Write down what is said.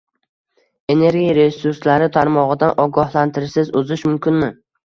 Energiya resurslari tarmog’idan ogohlantirishsiz uzish mumkinmi?